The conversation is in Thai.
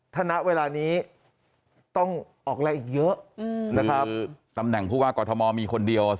ถณะเวลานี้ต้องออกอะไรอีกเยอะอืมนะครับหรือตำแหน่งผู้ว่ากอร์ธมอลมีคนเดียวสิ